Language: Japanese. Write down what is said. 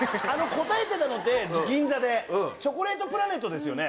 答えてたのって銀座でチョコレートプラネットですよね？